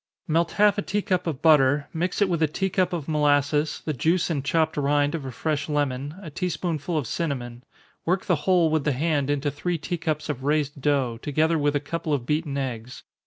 _ Melt half a tea cup of butter, mix it with a tea cup of molasses, the juice and chopped rind of a fresh lemon, a tea spoonful of cinnamon work the whole with the hand into three tea cups of raised dough, together with a couple of beaten eggs.